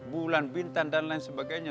bulan bintan dan lain sebagainya